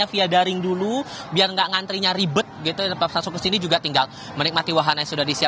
jadi kalau kami tetap mengimbau pengunjung untuk bisa membeli tiket sebelumnya